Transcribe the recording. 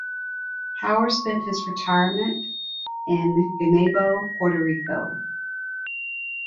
Power spent his retirement in Guaynabo, Puerto Rico.